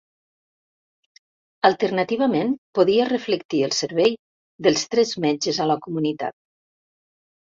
Alternativament, podia reflectir el servei dels tres metges a la comunitat.